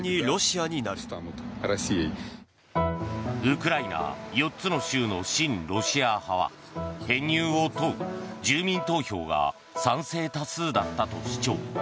ウクライナ４つの州の親ロシア派は編入を問う住民投票が賛成多数だったと主張。